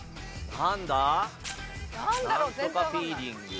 なんとかフィーリング。